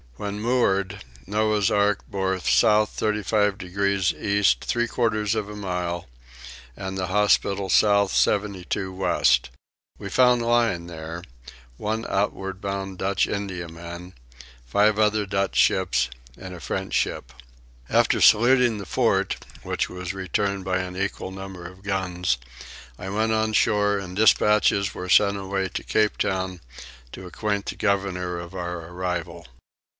When moored, Noah's ark bore south 35 degrees east three quarters of a mile, and the hospital south 72 west. We found lying here one outward bound Dutch Indiaman, five other Dutch ships, and a French ship. After saluting the fort, which was returned by an equal number of guns, I went on shore and dispatches were sent away to Cape Town to acquaint the governor of our arrival.